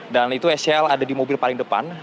dan itu sel ada di mobil paling depan